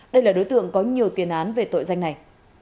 đây là đối tượng có nhiều tiền án về tội danh này